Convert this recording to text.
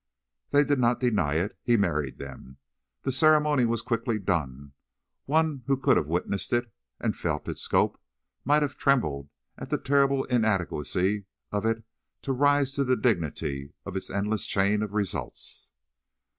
They did not deny it. He married them. The ceremony was quickly done. One who could have witnessed it, and felt its scope, might have trembled at the terrible inadequacy of it to rise to the dignity of its endless chain of results.